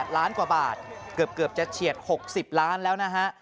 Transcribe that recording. ล้านกว่าบาทเกือบจะเฉียด๖๐ล้านแล้วนะฮะ